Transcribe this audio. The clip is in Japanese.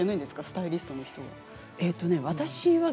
スタイリストの人は。